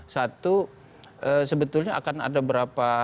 satu sebetulnya akan ada berapa